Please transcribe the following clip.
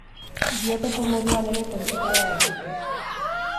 Biotopo moduan ere kontsidera daiteke.